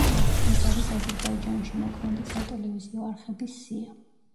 ეს არის აზერბაიჯანში მოქმედი სატელევიზიო არხების სია.